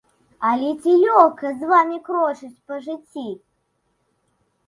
Але ці лёгка з вамі крочыць па жыцці?